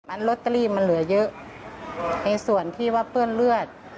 มันลอตเตอรี่มันเหลือเยอะในส่วนที่ว่าเปื้อนเลือด